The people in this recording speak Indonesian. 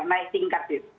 naik tingkat itu